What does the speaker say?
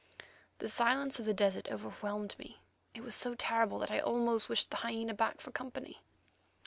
The silence of the desert overwhelmed me; it was so terrible that I almost wished the hyena back for company.